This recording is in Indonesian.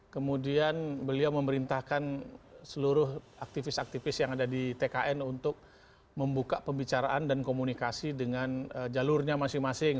kemudian beliau memerintahkan seluruh aktivis aktivis yang ada di tkn untuk membuka pembicaraan dan komunikasi dengan jalurnya masing masing